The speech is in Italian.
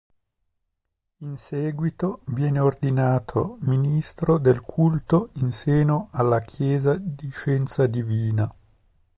In seguito viene ordinato ministro del culto in seno alla Chiesa di Scienza Divina.